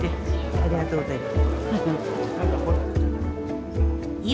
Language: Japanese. ありがとうございます。